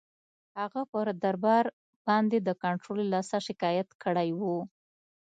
هغه پر دربار باندي د کنټرول له لاسه شکایت کړی وو.